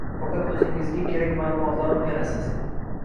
Faqat o’zingizga kerak ma’lumotlarni o’rganasiz